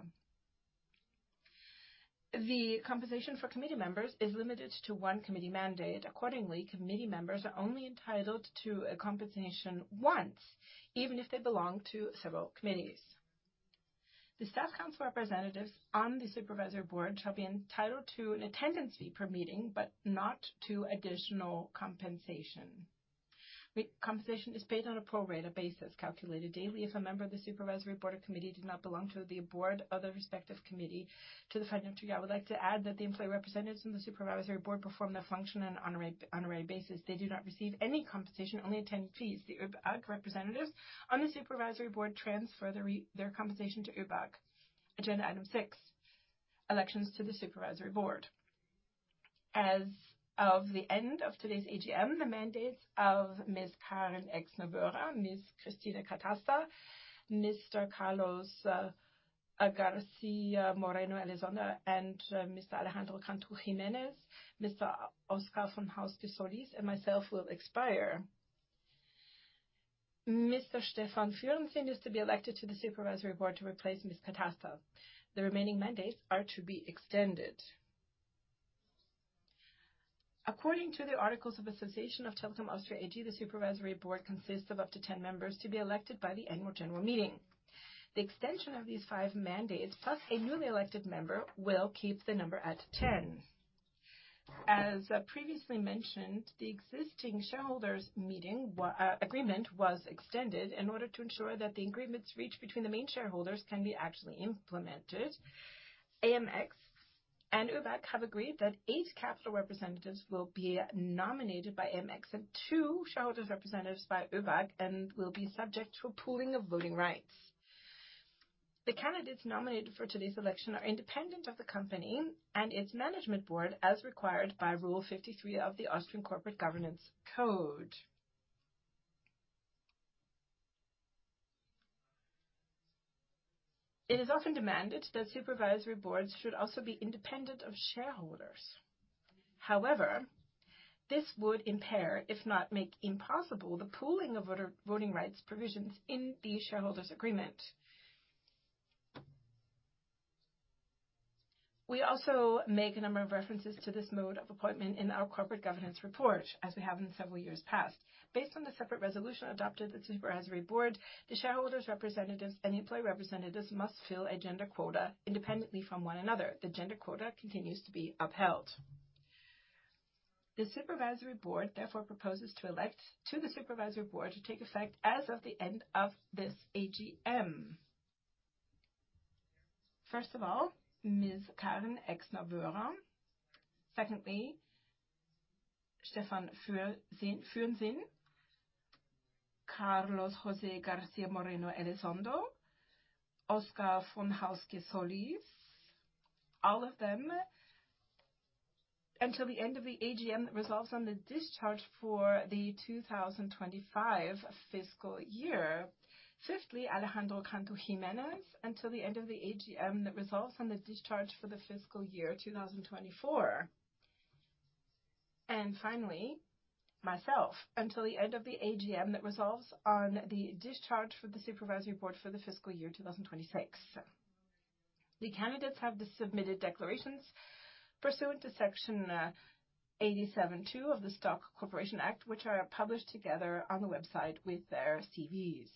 The compensation for committee members is limited to one committee mandate. Accordingly, committee members are only entitled to a compensation once, even if they belong to several committees. The Staff Council representatives on the supervisory board shall be entitled to an attendance fee per meeting, but not to additional compensation. The compensation is based on a pro-rata basis, calculated daily if a member of the supervisory board or committee does not belong to the board or the respective committee. To the financial year, I would like to add that the employee representatives on the supervisory board perform their function on an honorary basis. They do not receive any compensation, only attendance fees. The ÖBAG representatives on the supervisory board transfer their compensation to ÖBAG. Agenda item six elections to the supervisory board. As of the end of today's AGM, the mandates of Ms. Karin Exner-Wöhrer, Ms. Christine Catasta, Mr. Carlos García Moreno Elizondo, and Mr. Alejandro Cantú Jiménez, Mr. Oscar Von Hauske Solís, and myself will expire. Mr. Stefan Fürnsinn is to be elected to the supervisory board to replace Ms. Catasta. The remaining mandates are to be extended. According to the Articles of Association of Telekom Austria AG, the supervisory board consists of up to 10 members to be elected by the annual general meeting. The extension of these 5 mandates, plus a newly elected member, will keep the number at 10. As previously mentioned, the existing shareholders meeting agreement was extended in order to ensure that the agreements reached between the main shareholders can be actually implemented. AMX and ÖBAG have agreed that eight capital representatives will be nominated by AMX and two shareholders' representatives by ÖBAG and will be subject to a pooling of voting rights. The candidates nominated for today's election are independent of the company and its management board, as required by Rule 53 of the Austrian Corporate Governance Code. It is often demanded that supervisory boards should also be independent of shareholders. This would impair, if not make impossible, the pooling of voting rights provisions in the shareholders' agreement. We also make a number of references to this mode of appointment in our corporate governance report, as we have in several years past. Based on the separate resolution adopted the supervisory board, the shareholders' representatives and employee representatives must fill a gender quota independently from one another. The gender quota continues to be upheld. The supervisory board, therefore, proposes to elect to the supervisory board to take effect as of the end of this AGM. First of all, Ms. Karin Exner-Wöhrer. Secondly, Stefan Fürnsinn, Carlos José García Moreno Elizondo, Oscar Von Hauske Solís, all of them until the end of the AGM that resolves on the discharge for the 2025 fiscal year. Fifthly, Alejandro Cantú Jiménez, until the end of the AGM that resolves on the discharge for the fiscal year 2024. Finally, myself, until the end of the AGM that resolves on the discharge for the supervisory board for the fiscal year 2026. The candidates have the submitted declarations pursuant to Section 87 (2) of the Stock Corporation Act, which are published together on the website with their CVs.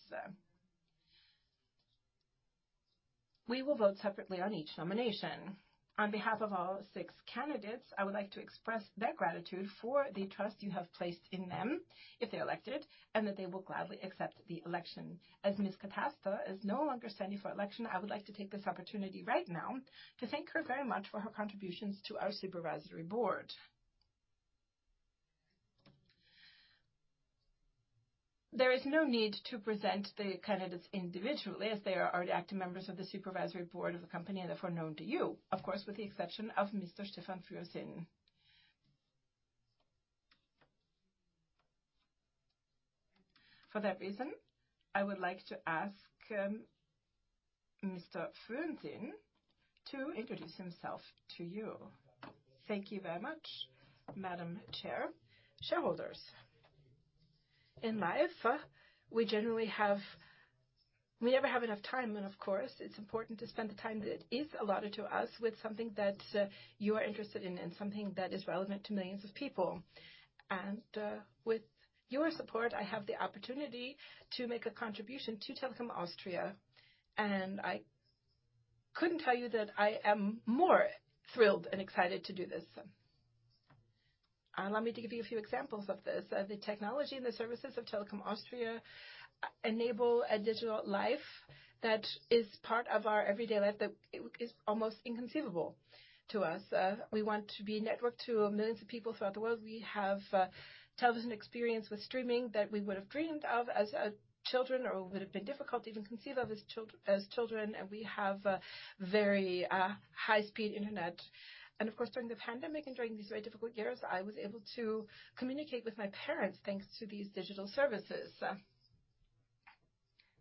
We will vote separately on each nomination. On behalf of all six candidates, I would like to express their gratitude for the trust you have placed in them if they're elected, and that they will gladly accept the election. As Ms. Catasta is no longer standing for election, I would like to take this opportunity right now to thank her very much for her contributions to our supervisory board. There is no need to present the candidates individually, as they are already active members of the supervisory board of the company and therefore known to you, of course, with the exception of Mr. Stefan Fürnsinn. For that reason, I would like to ask, Mr. Fürnsinn to introduce himself to you. Thank you very much, Madam Chair. Shareholders, in life, we generally have... We never have enough time. Of course, it's important to spend the time that is allotted to us with something that you are interested in and something that is relevant to millions of people. With your support, I have the opportunity to make a contribution to Telekom Austria, and I couldn't tell you that I am more thrilled and excited to do this. Allow me to give you a few examples of this. The technology and the services of Telekom Austria enable a digital life that is part of our everyday life, that is almost inconceivable to us. We want to be networked to millions of people throughout the world. We have television experience with streaming that we would have dreamed of as children or would have been difficult to even conceive of as children, and we have a very high-speed internet. Of course, during the pandemic and during these very difficult years, I was able to communicate with my parents, thanks to these digital services,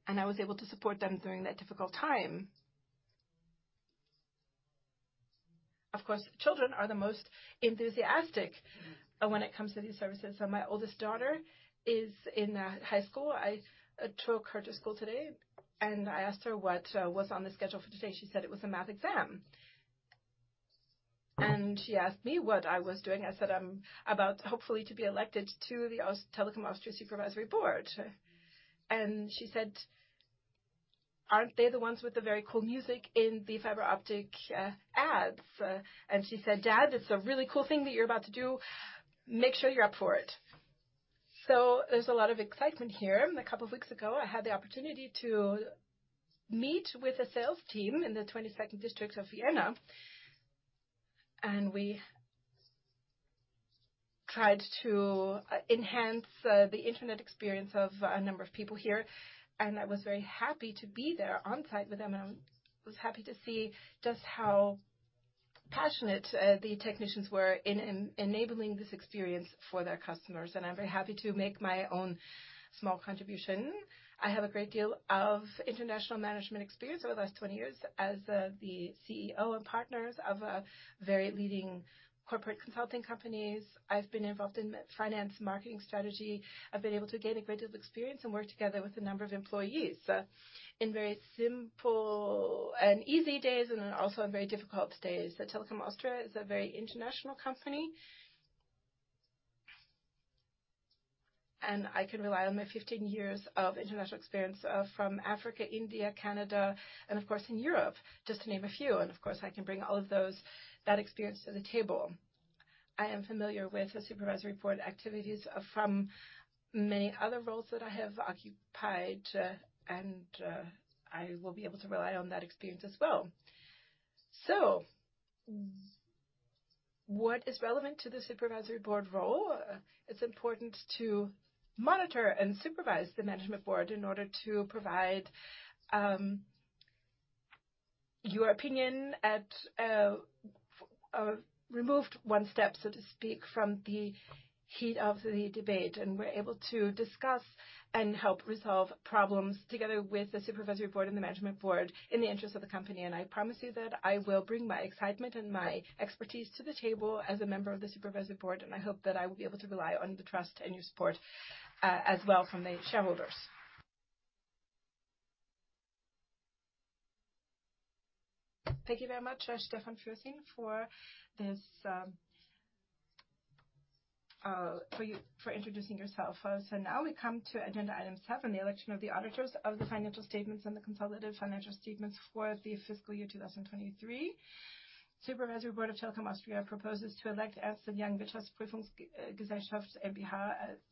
and I was able to support them during that difficult time. Children are the most enthusiastic when it comes to these services. My oldest daughter is in high school. I took her to school today, and I asked her what was on the schedule for today. She said it was a math exam, and she asked me what I was doing. I said, "I'm about hopefully to be elected to the Telekom Austria Supervisory Board." She said, "Aren't they the ones with the very cool music in the fiber optic ads?" She said, "Dad, it's a really cool thing that you're about to do. Make sure you're up for it." There's a lot of excitement here. A couple of weeks ago, I had the opportunity to meet with a sales team in the 22nd district of Vienna, we tried to enhance the Internet experience of a number of people here, I was very happy to be there on site with them, I was happy to see just how passionate the technicians were in enabling this experience for their customers, I'm very happy to make my own small contribution. I have a great deal of international management experience over the last 20 years as the CEO and partners of a very leading corporate consulting companies. I've been involved in finance, marketing, strategy. I've been able to gain a great deal of experience and work together with a number of employees in very simple and easy days, and then also in very difficult days. The Telekom Austria is a very international company. I can rely on my 15 years of international experience from Africa, India, Canada, and of course, in Europe, just to name a few. Of course, I can bring all of that experience to the table. I am familiar with the Supervisory Board activities from many other roles that I have occupied, and I will be able to rely on that experience as well. What is relevant to the Supervisory Board role? It's important to monitor and supervise the Management Board in order to provide your opinion at a removed one step, so to speak, from the heat of the debate, we're able to discuss and help resolve problems together with the Supervisory Board and the Management Board in the interest of the company. I promise you that I will bring my excitement and my expertise to the table as a member of the Supervisory Board, and I hope that I will be able to rely on the trust and your support as well from the shareholders. Thank you very much, Stefan Fürnsinn, for this, for introducing yourself. Now we come to agenda item 7: the election of the auditors of the financial statements and the consolidated financial statements for the fiscal year 2023. Supervisory Board of Telekom Austria proposes to elect Ernst & Young Wirtschaftsprüfungsgesellschaft m.b.H.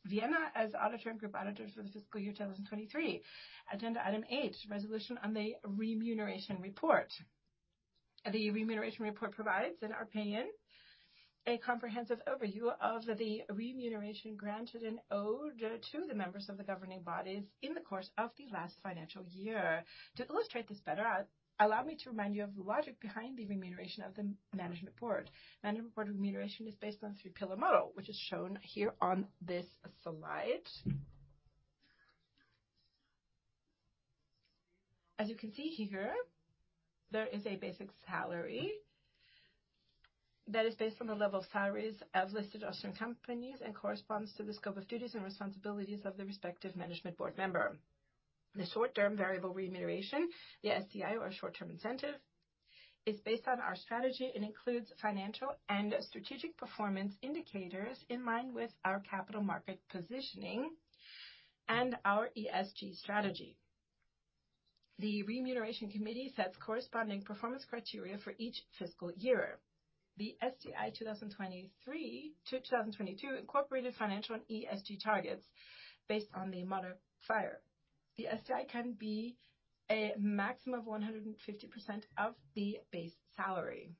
Vienna, as auditor and group auditors for the fiscal year 2023. Agenda item eight resolution on the remuneration report. The remuneration report provides, in our opinion, a comprehensive overview of the remuneration granted and owed to the members of the governing bodies in the course of the last financial year. To illustrate this better, allow me to remind you of the logic behind the remuneration of the Management Board. Management Board remuneration is based on a three-pillar model, which is shown here on this slide. As you can see here, there is a basic salary that is based on the level of salaries of listed Austrian companies and corresponds to the scope of duties and responsibilities of the respective Management Board member. The short-term variable remuneration, the STI or short-term incentive, is based on our strategy and includes financial and strategic performance indicators in line with our capital market positioning and our ESG strategy. The Remuneration Committee sets corresponding performance criteria for each fiscal year. The STI 2023 to 2022 incorporated financial and ESG targets based on the modifier. The STI can be a maximum of 150% of the base salary.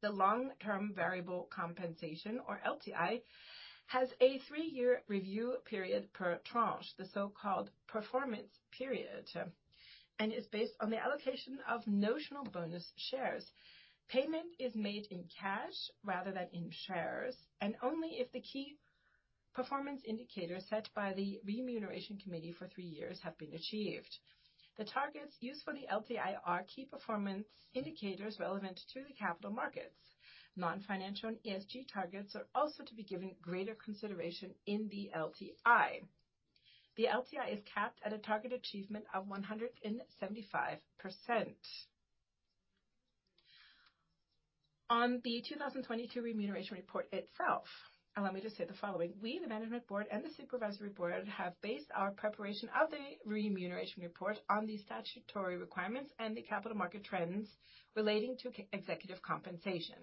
The long-term variable compensation, or LTI, has a three-year review period per tranche, the so-called performance period, and is based on the allocation of notional bonus shares. Payment is made in cash rather than in shares, and only if the key performance indicators set by the Remuneration Committee for three years have been achieved. The targets used for the LTI are key performance indicators relevant to the capital markets. Non-financial and ESG targets are also to be given greater consideration in the LTI. The LTI is capped at a target achievement of 175%. On the 2022 remuneration report itself, allow me to say the following: We, the Management Board and the Supervisory Board, have based our preparation of the remuneration report on the statutory requirements and the capital market trends relating to executive compensation.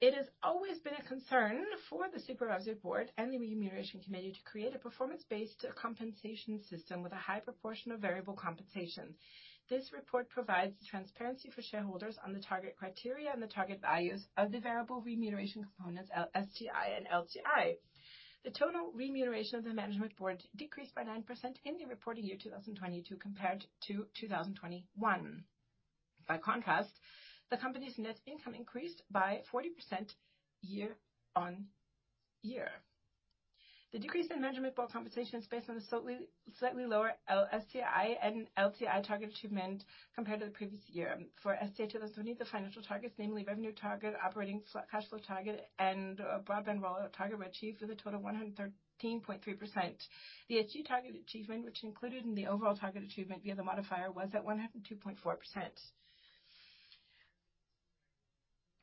It has always been a concern for the Supervisory Board and the Remuneration Committee to create a performance-based compensation system with a high proportion of variable compensation. This report provides transparency for shareholders on the target criteria and the target values of the variable remuneration components, STI and LTI. The total remuneration of the Management Board decreased by 9% in the reporting year 2022 compared to 2021. By contrast, the company's net income increased by 40% year-on-year. The decrease in Management Board compensation is based on a slightly lower STI and LTI target achievement compared to the previous year. For STI 2020, the financial targets, namely revenue target, operating cash flow target, and broadband rollout target, were achieved with a total of 113.3%. The ESG target achievement, which included in the overall target achievement via the modifier, was at 102.4%.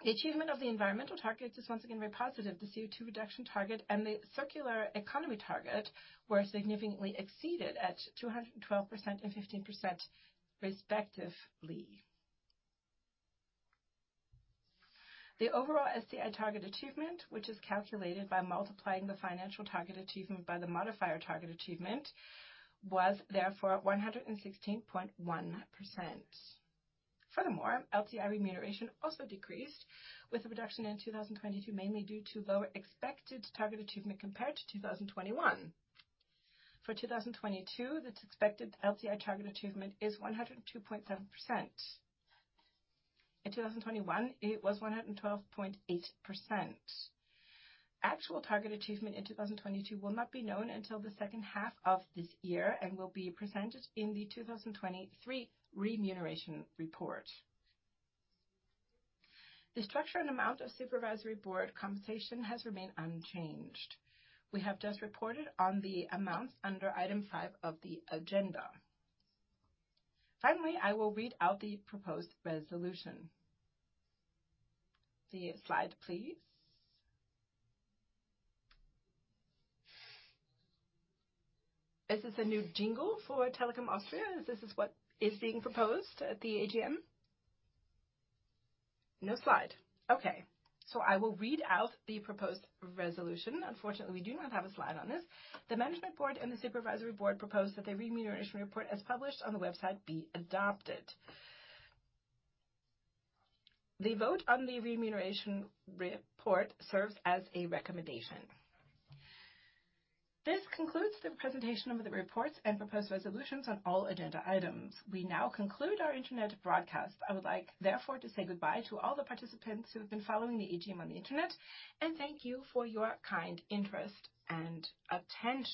The achievement of the environmental targets is once again very positive. The CO2 reduction target and the circular economy target were significantly exceeded at 212% and 15%, respectively. The overall STI target achievement, which is calculated by multiplying the financial target achievement by the modifier target achievement, was therefore 116.1%. Furthermore, LTI remuneration also decreased, with a reduction in 2022, mainly due to lower expected target achievement compared to 2021. For 2022, the expected LTI target achievement is 102.7%. In 2021, it was 112.8%. Actual target achievement in 2022 will not be known until the second half of this year and will be presented in the 2023 remuneration report. The structure and amount of Supervisory Board compensation has remained unchanged. We have just reported on the amounts under item 5 of the agenda. I will read out the proposed resolution. The slide, please. This is a new jingle for Telekom Austria. This is what is being proposed at the AGM. No slide. Okay, I will read out the proposed resolution. Unfortunately, we do not have a slide on this. The Management Board and the Supervisory Board propose that the remuneration report, as published on the website, be adopted. The vote on the remuneration report serves as a recommendation. This concludes the presentation of the reports and proposed resolutions on all agenda items. We now conclude our Internet broadcast. I would like, therefore, to say goodbye to all the participants who have been following the AGM on the Internet, and thank you for your kind interest and attention.